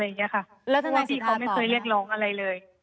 แล้วธนายสิทธาตอบไหมคะเพราะว่าพี่เขาไม่เคยเรียกร้องอะไรเลยอ๋อ